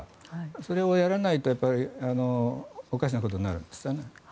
それをやらないとおかしなことになるんですね。